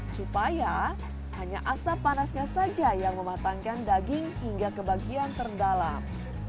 supaya hanya asap panasnya saja yang mematangkan daging hingga ke bagian terdalam